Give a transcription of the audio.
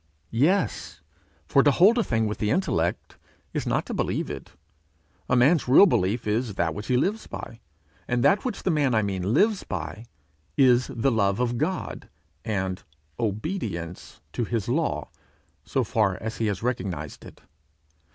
Yes; for to hold a thing with the intellect, is not to believe it. A man's real belief is that which he lives by; and that which the man I mean lives by, is the love of God, and obedience to his law, so far as he has recognized it.